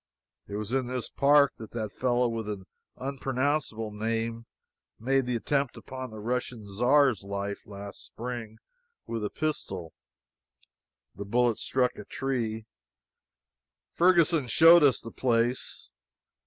It was in this park that that fellow with an unpronounceable name made the attempt upon the Russian Czar's life last spring with a pistol. The bullet struck a tree. Ferguson showed us the place.